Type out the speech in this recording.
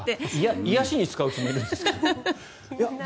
癒やしに使うつもりですか？